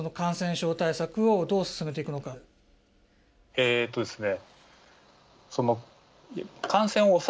えっとですね